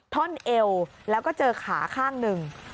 ท่อนเอวแล้วก็เจอขาข้างหนึ่ง